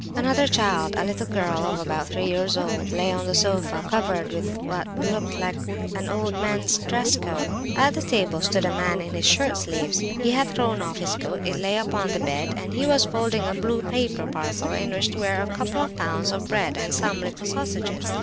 Another child, a little girl of about three years old, lay on the sofa, covered over with what looked like a man's old dress coat. "At the table stood a man in his shirt sleeves; he had thrown off his coat; it lay upon the bed; and he was unfolding a blue paper parcel in which were a couple of pounds of bread, and some little sausages.